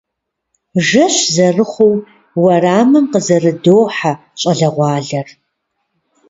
Жэщ зэрыхъуу уэрамым къызэрыдохьэ щӏалэгъуалэр.